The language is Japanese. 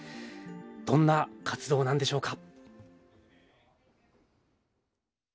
どんな活動なんでしょうか？